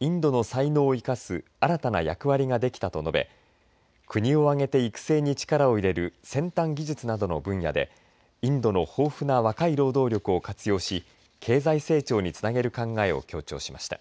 インドの才能を生かす新たな役割ができたと述べ国を挙げて育成に力を入れる先端技術などの分野でインドの豊富な若い労働力を活用し経済成長につなげる考えを強調しました。